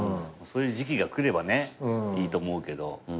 そういう時期が来ればいいと思うけど。